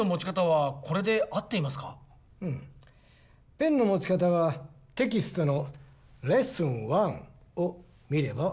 ペンの持ち方はテキストのレッスン１を見れば分かる。